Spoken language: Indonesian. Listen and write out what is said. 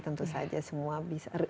tentu saja semua bisa